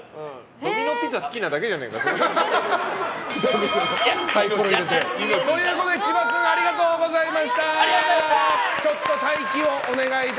ドミノピザ好きなだけじゃないか。ということで千葉君ありがとうございました！